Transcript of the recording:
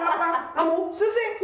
kenapa kamu susih